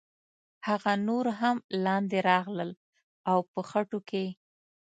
هغه نور هم لاندې راغلل او په خټو کې.